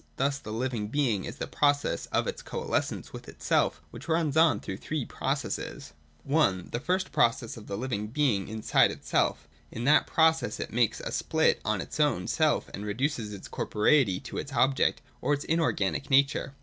Thus the living being is the process of its coalescence with itself, which runs on through three processes. 218.] (i) The first is the process of the living being inside itself. In that process it makes a split on its own 360 THE DOCTRINE OF THE NOTION. [21S, 219. self, and reduces its corporeity to its object or its in organic nature.